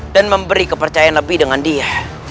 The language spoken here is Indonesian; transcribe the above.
dan memberi kepercayaan lebih dengan dia